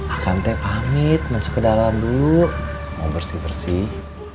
akan teh pamit masuk ke dalam dulu mau bersih bersih